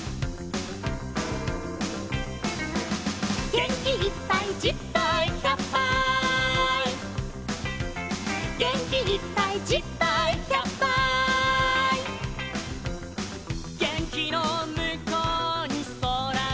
「げんきいっぱいじっぱいひゃっぱい」「げんきいっぱいじっぱいひゃっぱい」「げんきのむこうにそらがある」